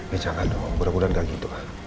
ya jangan dong mudah mudahan gak gitu